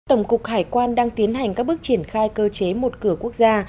tổng cục hải quan đang tiến hành các bước triển khai cơ chế một cửa quốc gia